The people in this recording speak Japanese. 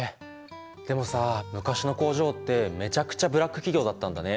でもさ昔の工場ってめちゃくちゃブラック企業だったんだね。